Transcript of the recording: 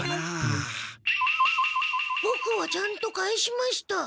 ボクはちゃんと返しました。